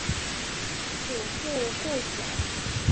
祖父顾显。